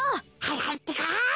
はいはいってか。